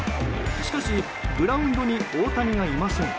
しかし、グラウンドに大谷がいません。